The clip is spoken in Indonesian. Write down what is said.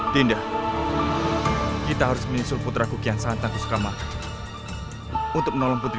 tinda kita harus menyesul putra kian santang suka makan untuk menolong putri